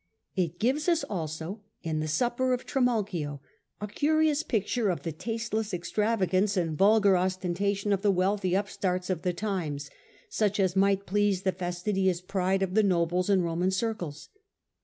It gives us also, in the supper of Trimalchio, a curious picture of the tasteless extravagance and vulgar ostentation of the wealthy upstarts of the times, such as might please the fastidious pride of the nobles in Roman circles.